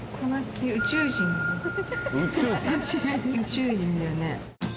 宇宙人だよね